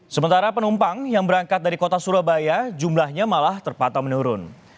sementara penumpang yang berangkat dari kota surabaya jumlahnya malah terpatah menurun